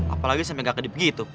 apalagi sampe gak kedip gitu